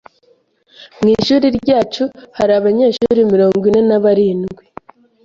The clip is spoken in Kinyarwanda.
Mu ishuri ryacu hari abanyeshuri mirongo ine na barindwi.